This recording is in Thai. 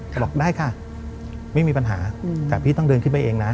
บอกได้ค่ะไม่มีปัญหาแต่พี่ต้องเดินขึ้นไปเองนะ